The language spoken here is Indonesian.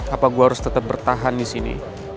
apa gue harus tetap bertahan di sini